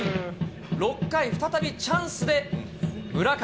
６回、再びチャンスで村上。